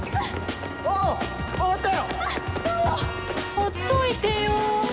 ほっといてよ